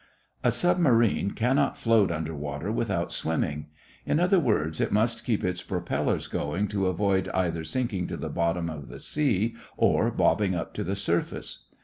A submarine cannot float under water without swimming; in other words, it must keep its propellers going to avoid either sinking to the bottom of the sea or bobbing up to the surface.